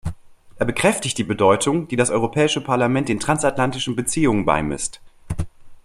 Er bekräftigt die Bedeutung, die das Europäische Parlament den transatlantischen Beziehungen beimisst.